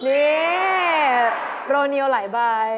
นี่โรนียวไหลใบ